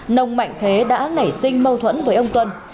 nông mạnh thế đã nảy sinh mâu thuẫn với ông tuân